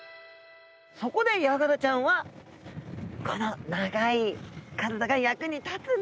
そこでヤガラちゃんはこの長い体が役に立つんですね。